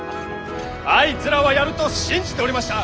あいつらはやると信じておりました！